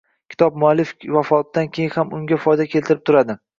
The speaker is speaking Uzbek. Kitob muallif vafotidan keyin ham unga foyda keltirib turadi.